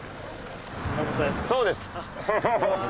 そうです！